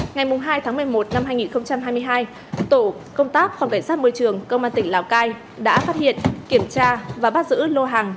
ngày hai tháng một mươi một năm hai nghìn hai mươi hai tổ công tác phòng cảnh sát môi trường công an tỉnh lào cai đã phát hiện kiểm tra và bắt giữ lô hàng